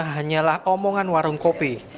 hanyalah omongan warung kopi